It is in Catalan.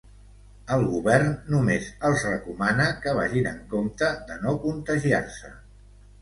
El govern només els recomana que vagin en compte de no contagiar-se.